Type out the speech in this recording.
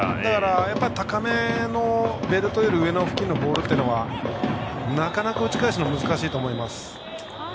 高めでベルトより上付近のボールはなかなか打ち返すのは難しいと思います。